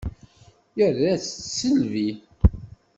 Ira-tt s tisselbi.